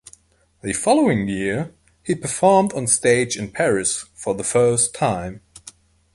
The following year, he performed on stage in Paris for the first time.